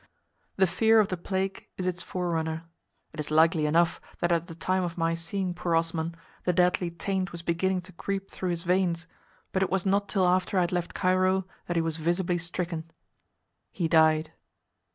The fear of the plague is its forerunner. It is likely enough that at the time of my seeing poor Osman the deadly taint was beginning to creep through his veins, but it was not till after I had left Cairo that he was visibly stricken. He died.